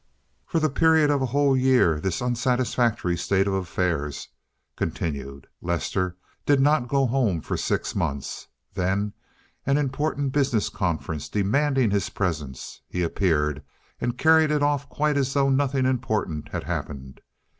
For the period of a whole year this unsatisfactory state of affairs continued. Lester did not go home for six months; then an important business conference demanding his presence, he appeared and carried it off quite as though nothing important had happened.